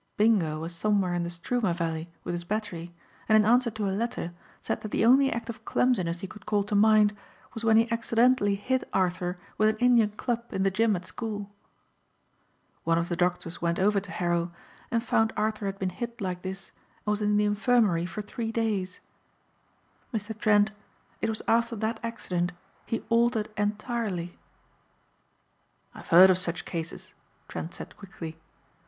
Bingo was somewhere in the Struma valley with his battery and in answer to a letter said that the only act of clumsiness he could call to mind was when he accidentally hit Arthur with an Indian club in the gym at school. "One of the doctors went over to Harrow and found Arthur had been hit like this and was in the infirmary for three days. Mr. Trent, it was after that accident he altered entirely." "I've heard of such cases," Trent said quickly.